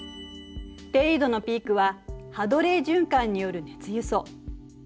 低緯度のピークはハドレー循環による熱輸送。